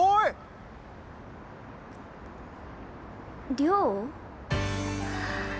亮？